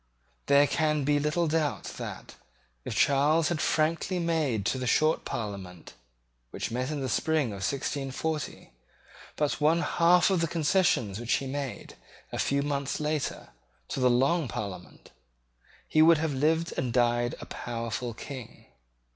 There can be little doubt that, if Charles had frankly made to the Short Parliament, which met in the spring of 1640, but one half of the concessions which he made, a few months later, to the Long Parliament, he would have lived and died a powerful King.